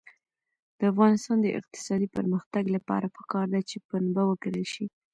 د افغانستان د اقتصادي پرمختګ لپاره پکار ده چې پنبه وکرل شي.